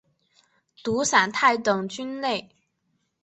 毒伞肽等菌类。